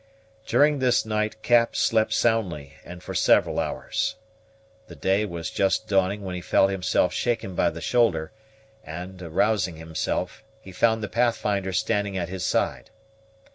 During this night Cap slept soundly, and for several hours. The day was just dawning when he felt himself shaken by the shoulder; and arousing himself, he found the Pathfinder standing at his side.